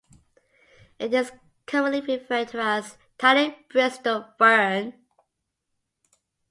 It is commonly referred to as tiny bristle fern.